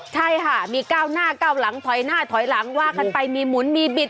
ใช่ค่ะมีก้าวหน้าก้าวหลังถอยหน้าถอยหลังว่ากันไปมีหมุนมีบิด